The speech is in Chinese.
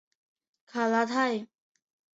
卡斯泰。